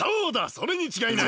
それにちがいない！